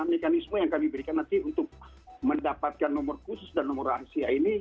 mekanisme yang kami berikan nanti untuk mendapatkan nomor khusus dan nomor rahasia ini